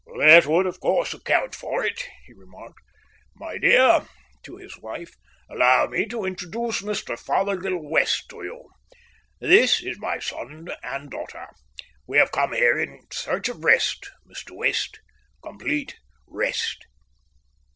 "That would, of course, account for it," he remarked. "My dear," to his wife, "allow me to introduce Mr. Fothergill West to you. This is my son and my daughter. We have come here in search of rest, Mr. West complete rest."